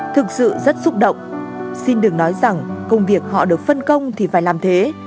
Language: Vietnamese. thực sự rất xúc động xin đừng nói rằng công việc họ được phân công thì phải làm thế